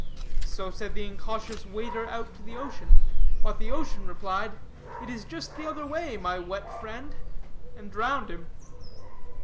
"So said the incautious wader out to the ocean; but the ocean replied: 'It is just the other way, my wet friend,' and drowned him."